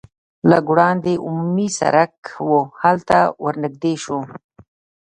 لږ وړاندې عمومي سرک و هلته ور نږدې شوو.